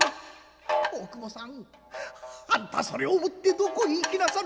大久保さんあんたそれを持ってどこへ行きなさる」。